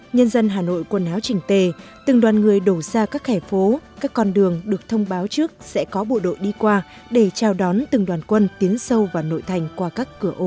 nhân dân hà nội quần áo trình tề từng đoàn người đổ ra các khẻ phố các con đường được thông báo trước sẽ có bộ đội đi qua để chào đón từng đoàn quân tiến sâu vào nội thành qua các cửa ô